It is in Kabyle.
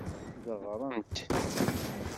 Deɣrent.